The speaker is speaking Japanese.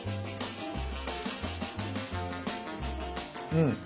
うん。